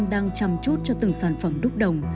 đang chăm chút cho từng sản phẩm đúc đồng